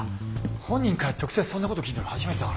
本人から直接そんなこと聞いたの初めてだからさ。